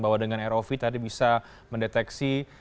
bahwa dengan rov tadi bisa mendeteksi